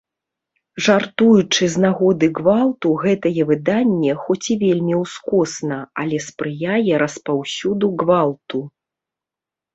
Жартуючы з нагоды гвалту гэтае выданне, хоць і вельмі ўскосна, але спрыяе распаўсюду гвалту.